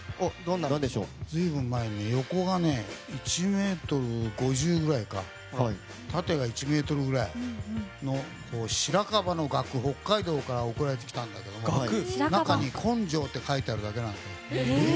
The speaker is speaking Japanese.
随分前に横が１ｍ５０ｃｍぐらい縦が１ｍぐらいの白樺の額が北海道から送られてきたんですが中に「根性」って書いてあるだけの。